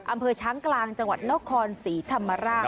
อำเภอช้างกลางจังหวัดนครศรีธรรมราช